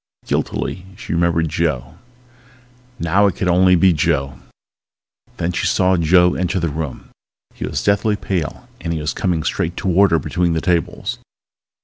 Guiltily she remembered Joe, now it could only be Joe. Then she saw Joe enter the room. He was deathly pale and he was coming straight toward her between the tables.